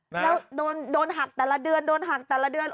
แล้วโดนหักแต่ละเดือนโดนหักแต่ละเดือน